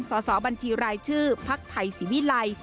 สอสอบัญชีรายชื่อพักไทยสิวิไล